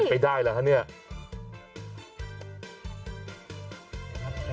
อะไรเป็นไปได้หรือคะ